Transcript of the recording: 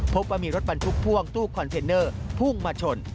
พบว่ามีรถบรรทุกพ่วงตู้คอนเทนเนอร์พุ่งมาชน